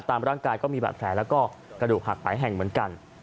ตามร่างกายก็มีบาดแผลแล้วก็กระดูกหักหลายแห่งเหมือนกัน